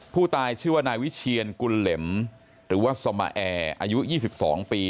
ผู้ตายชื่อว่านายวิเชียนกุลเหล็มหรือว่าสมาแอร์อายุ๒๒ปี